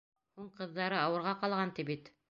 Һуң ҡыҙҙары ауырға ҡалған, ти бит!